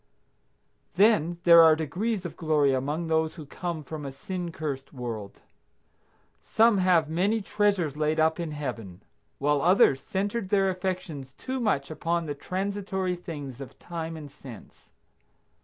Then there are degrees of glory among those who come from a sin cursed world. Some have many treasures laid up in Heaven, while others centered their affections too much upon the transitory things of time and sense.